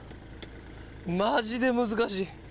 マジで難しい。